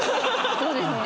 そうですね。